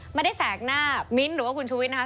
ไม่ได้แสกหน้ามิ้นหรือว่าคุณชูวิทรนะคะ